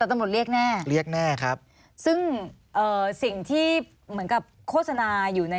แต่ตำรวจเรียกแน่เรียกแน่ครับซึ่งเอ่อสิ่งที่เหมือนกับโฆษณาอยู่ใน